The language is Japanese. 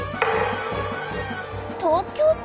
東京都？